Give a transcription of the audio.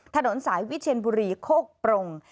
ถนนสายวิเชียนบุรีโคกปรง